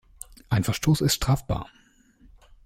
Ein Verstoß ist strafbar.